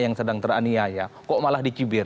yang sedang teraniaya kok malah dicibir